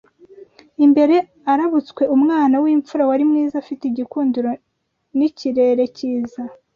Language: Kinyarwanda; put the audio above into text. imbere Arabutswe umwana w’imfura, wari mwiza afite igikundiro n’ikirere cyiza